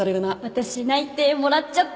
私内定もらっちゃった